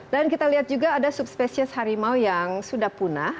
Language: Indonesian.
dan kita lihat juga ada subspecies harimau yang sudah punah